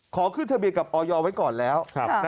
ขอขึ้นทะเบียนกับออยไว้ก่อนแล้ว